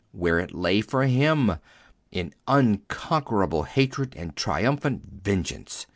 Where it lay for him—in unconquerable hatred and triumphant vengeance.